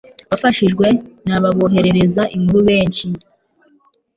bafashijwe n'ababoherereza inkuru benshi,